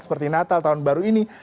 seperti natal tahun baru ini